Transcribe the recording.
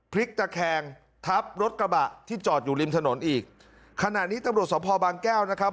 พลิกตะแคงทับรถกระบะที่จอดอยู่ริมถนนอีกขณะนี้ตำรวจสภบางแก้วนะครับ